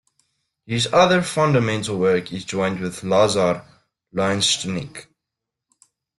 His other fundamental work is joint with Lazar Lyusternik.